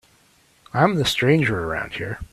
I'm the stranger around here.